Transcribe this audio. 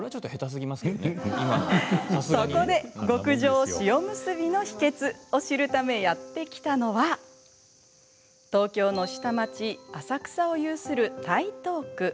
そこで、極上塩むすびの秘けつを知るためやって来たのは東京の下町・浅草を有する台東区。